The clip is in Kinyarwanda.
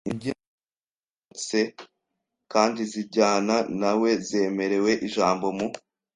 Imbyino zaramanutse, kandi zijyana na we, zemerewe ijambo mu